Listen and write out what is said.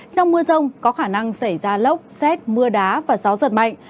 trong mưa rông có khả năng xảy ra lốc xét mưa đá và gió giật mạnh